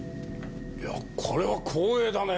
いやこれは光栄だね。